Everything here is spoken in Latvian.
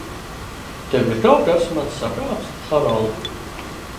Tev ir kaut kas man sakāms, Harold?